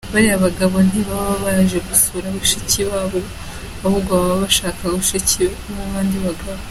Bariya bagabo ntibaba baje gusura bashiki babo ahubwo baba bashaka bashiki b’abandi bagabo.